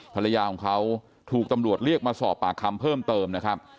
ภรรยาของเขาถูกตำรวจเรียกมาสอบปากคำเพิ่มเติมนะครับ